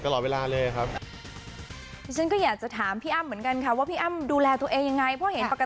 เขาดูแลเตรียมอยู่แล้วนะครับ